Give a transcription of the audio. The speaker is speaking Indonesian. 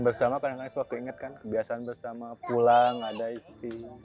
bersama kadang kadang suatu inget kan kebiasaan bersama pulang ada istri